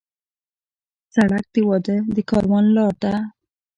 سړک د واده د کاروان لار ده.